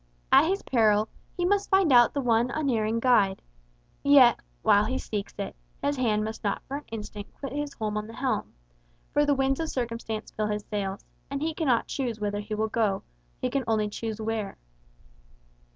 At his peril, he must find out the one unerring guide; yet, while he seeks it, his hand must not for an instant quit his hold on the helm, for the winds of circumstance fill his sails, and he cannot choose whether he will go, he can only choose where.